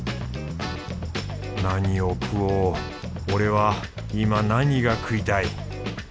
俺は今何が食いたい。